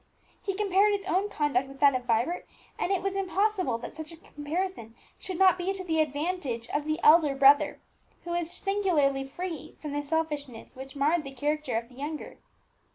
He compared his own conduct with that of Vibert, and it was impossible that such a comparison should not be to the advantage of the elder brother, who was singularly free from the selfishness which marred the character of the younger.